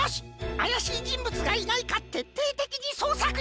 あやしいじんぶつがいないかてっていてきにそうさくじゃ！